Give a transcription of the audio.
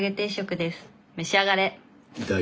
召し上がれ！